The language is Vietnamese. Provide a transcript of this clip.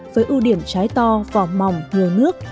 với ưu điểm trái to vỏ mỏng ngừa nước